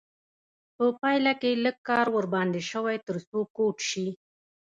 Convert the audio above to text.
په پایله کې لږ کار ورباندې شوی تر څو کوټ شي.